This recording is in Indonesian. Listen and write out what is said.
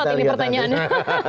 muttot ini pertanyaannya